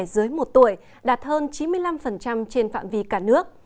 dưới một tuổi đạt hơn chín mươi năm trên phạm vi cả nước